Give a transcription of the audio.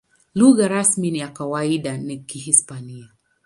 Lugha rasmi na ya kawaida ni Kihispania.